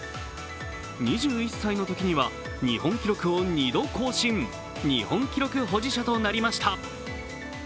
２１歳のときには日本記録を２度更新、日本記録保持者となりました。